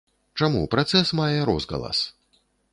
Чаму працэс мае розгалас?